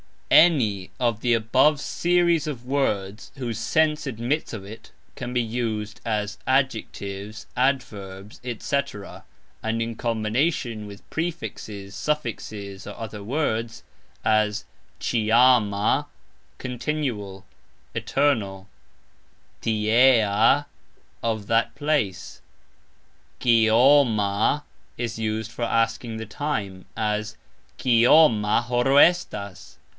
Any of the above series of words whose sense admits of it can be used as adjectives, adverbs, etc., and in combination with prefixes, suffixes, or other words, as "cxiama", continual, eternal; "tiea", of that place. "Kioma" is used for asking the time, as "Kioma horo estas"?